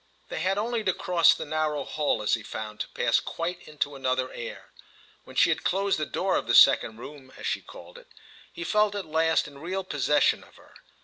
They had only to cross the narrow hall, as he found, to pass quite into another air. When she had closed the door of the second room, as she called it, he felt at last in real possession of her.